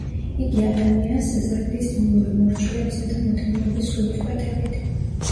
იგი ადამიანს ზრდის მონური მორჩილებისა და მოთმინების სულისკვეთებით.